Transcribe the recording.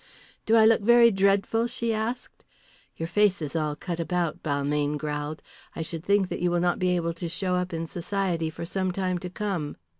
"Do I look very dreadful?" she asked. "Your face is all cut about," Balmayne growled. "I should think that you will not be able to show up in society for some time to come."